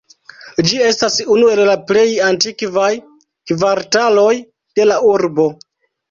Ĝi estas unu el la plej antikvaj kvartaloj de la urbo.